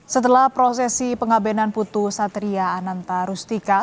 setelah prosesi pengabenan putu satria ananta rustika